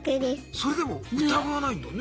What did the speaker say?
それでも疑わないんだね。